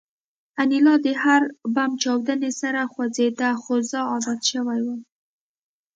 انیلا د هر بم چاودنې سره خوځېده خو زه عادت شوی وم